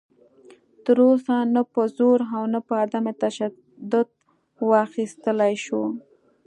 تر اوسه نه په زور او نه په عدم تشدد واخیستلی شو